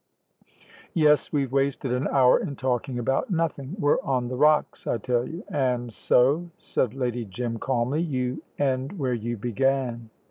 "Yes. We've wasted an hour in talking about nothing. We're on the rocks, I tell you." "And so," said Lady Jim, calmly, "you end where you began."